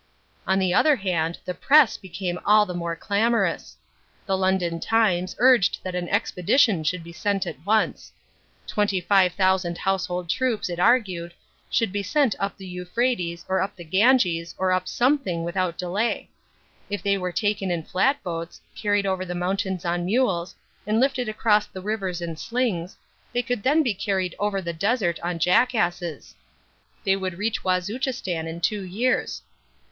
On the other hand the Press became all the more clamorous. The London Times urged that an expedition should be sent at once. Twenty five thousand household troops, it argued, should be sent up the Euphrates or up the Ganges or up something without delay. If they were taken in flat boats, carried over the mountains on mules, and lifted across the rivers in slings, they could then be carried over the desert on jackasses. They could reach Wazuchistan in two years.